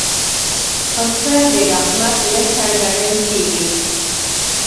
پسه د رحمت نښه ګڼل کېږي.